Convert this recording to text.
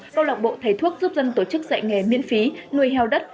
câu lạc bộ thầy thuốc giúp dân tổ chức dạy nghề miễn phí nuôi heo đất